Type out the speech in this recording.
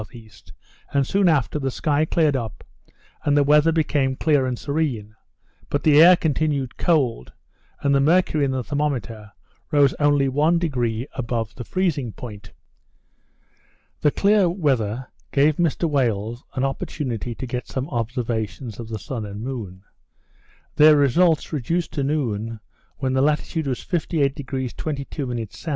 E.; and soon after, the sky cleared up, and the weather became clear and serene; but the air continued cold, and the mercury in the thermometer rose only one degree above the freezing point. The clear weather gave Mr Wales an opportunity to get some observations of the sun and moon. Their results reduced to noon, when the latitude was 58° 22' S.